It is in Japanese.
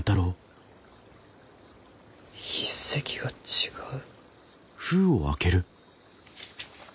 筆跡が違う？